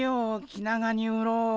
気長に売ろう。